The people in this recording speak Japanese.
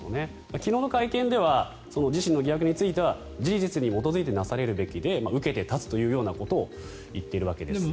昨日の会見では自身の疑惑については事実に基づいてなされるべきで受けて立つというようなことを言っているわけですが。